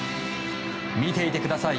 見ていてください